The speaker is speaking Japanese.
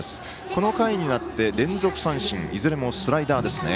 この回になって連続三振いずれもスライダーですね。